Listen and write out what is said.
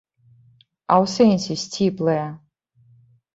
А ў сэнсе, сціплыя?